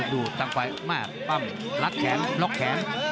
ดูตั้งไปปั้มล็อคแขนล็อคแขน